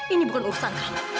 ini bukan urusan kamu